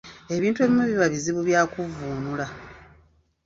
Ebintu ebimu biba bizibu bya kuvvuunula.